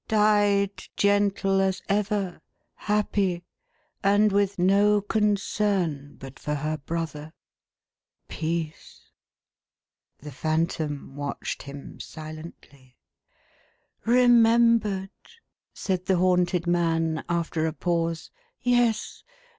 " Died, gentle as ever, happy, and with no concern but for her brother. Peace !" The Phantom watched him silently. " Remembered !" said the haunted man, after a pause. "Yes.